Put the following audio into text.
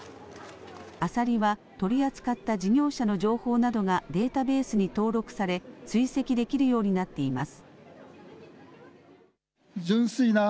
アサリは取り扱った事業者の情報などがデータベースに登録され追跡できるようになっています。